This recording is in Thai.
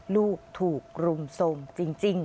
ลูกถูกรุมทรงจริง